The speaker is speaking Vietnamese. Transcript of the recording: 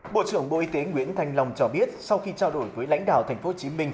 bộ trưởng bộ y tế nguyễn thanh long cho biết sau khi trao đổi với lãnh đạo tp hcm